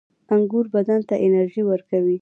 • انګور بدن ته انرژي ورکوي.